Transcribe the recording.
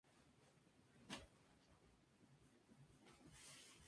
La aleta caudal tiene forma ahorquillada, con lóbulos de tamaño desigual.